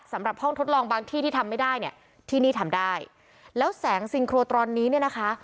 สำหรับห้องทดลองบางที่ที่ทำไม่ได้เนี่ยที่นี่ทำได้แล้วแสงซิงโครตอนนี้เนี่ยนะคะ